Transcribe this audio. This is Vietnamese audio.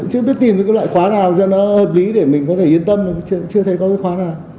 chưa biết tìm cái loại khóa nào cho nó hợp lý để mình có thể yên tâm chưa thấy có cái khóa nào